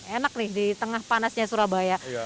enak nih di tengah panasnya surabaya